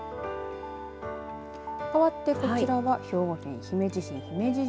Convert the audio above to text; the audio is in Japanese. かわって、こちらは兵庫県姫路市姫路城。